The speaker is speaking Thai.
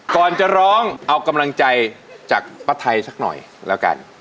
ก่อนจะร้องเอากำลังใจจากป้าไทยสักหน่อยแล้วกัน